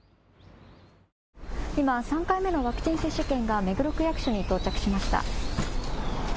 今、３回目のワクチン接種券が目黒区役所に到着しました。